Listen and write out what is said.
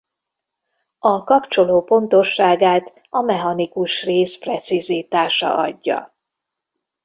A kapcsoló pontosságát a mechanikus rész precizitása adja.